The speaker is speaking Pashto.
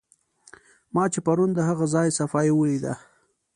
ما چې پرون د هغه ځای صفایي ولیده.